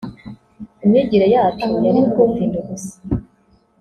imyigire yacu yari nk’ubufindo gusa